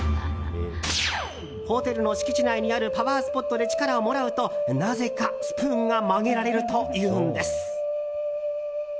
ホテルの敷地内にあるパワースポットで力をもらうとなぜかスプーンが曲げられるというんです。